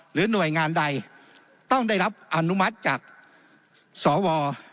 หน่วยงานใดต้องได้รับอนุมัติจากสว